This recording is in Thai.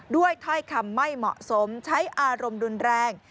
ถ้อยคำไม่เหมาะสมใช้อารมณ์รุนแรง